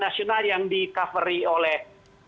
nasional yang di covery oleh